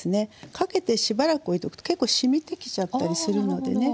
かけてしばらく置いておくと結構しみてきちゃったりするのでね。